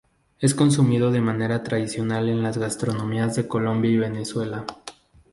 Es consumido de manera tradicional en las gastronomías de Colombia y Venezuela.